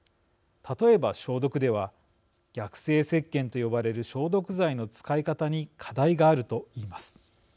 例えば、消毒では逆性石けんと呼ばれる消毒剤の使い方に課題があると言います。